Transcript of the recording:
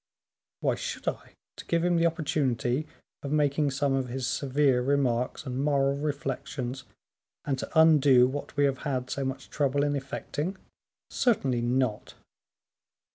"Why should I? to give him opportunity of making some of his severe remarks and moral reflections, and to undo what we have had so much trouble in effecting? Certainly not."